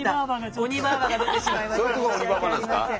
鬼ばーばが出てしまいました申し訳ありません。